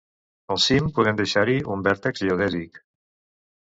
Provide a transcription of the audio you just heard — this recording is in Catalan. "Al cim podem deixar-hi un vèrtex geodèsic."